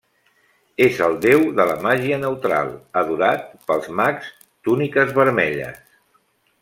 És el déu de la màgia neutral, adorat pels mags túniques vermelles.